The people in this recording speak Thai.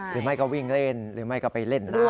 หรือไม่ก็วิ่งเล่นหรือไม่ก็ไปเล่นน้ำ